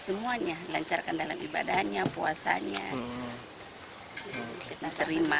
semuanya lancarkan dalam ibadahnya puasanya